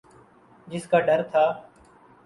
جس کا ڈر تھا۔